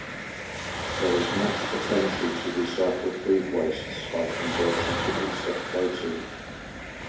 There is much potential to recycle food wastes by conversion to insect protein.